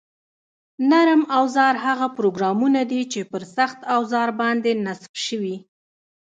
نرم اوزار هغه پروګرامونه دي چې پر سخت اوزار باندې نصب شوي